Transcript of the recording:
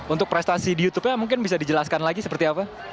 untuk prestasi di youtubenya mungkin bisa dijelaskan lagi seperti apa